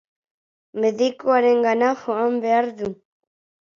Medikuarengana joan behar du.